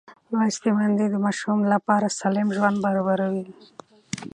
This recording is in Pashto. لوستې میندې د ماشوم لپاره سالم ژوند برابروي.